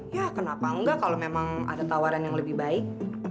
ya kenapa enggak kalau memang ada tawaran yang lebih baik